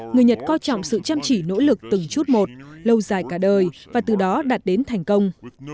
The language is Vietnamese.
người nhật coi trọng sự chăm chỉ nỗ lực từng chút một lâu dài cả đời và từ đó đạt đến thành công